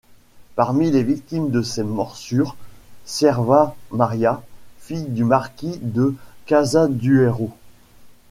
Parmi les victimes de ses morsures, Sierva María, fille du marquis de Casalduero.